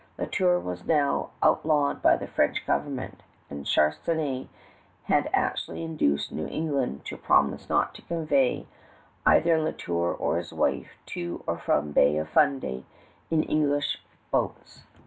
La Tour was now outlawed by the French government, and Charnisay had actually induced New England to promise not to convey either La Tour or his wife to or from Bay of Fundy in English boats.